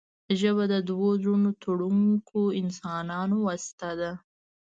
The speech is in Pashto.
ژبه د دوو زړه تړونکو انسانانو واسطه ده